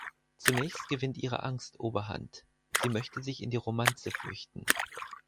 Zunächst gewinnt ihre Angst Oberhand, sie möchte sich in die Romanze flüchten.